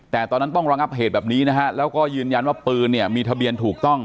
แต่ตอนนั้นต้องระงับเหตุแบบนี้นะฮะแล้วก็ยืนยันว่าปืนเนี่ยมีทะเบียนถูกต้อง